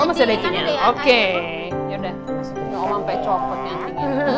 oh masih lagi oke yaudah masukin ke olang pak cokot nanti